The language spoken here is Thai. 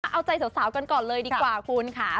เอาใจสาวกันก่อนเลยดีกว่าคุณค่ะ